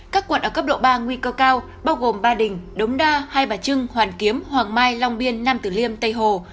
các quận ở cấp độ ba nguy cơ cao bao gồm ba đình đống đa hai bà trưng hoàn kiếm hoàng mai long biên nam tử liêm tây hồ